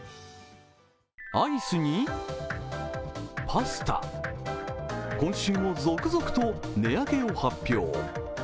アイスにパスタ、今週も続々と値上げを発表。